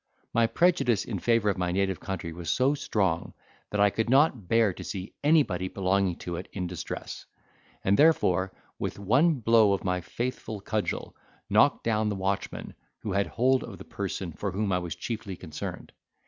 My prejudice in favour of my native country was so strong, that I could not bear to see anybody belonging to it in distress, and therefore, with one blow of my faithful cudgel, knocked down the watchman who had hold of the person for whom I was chiefly concerned.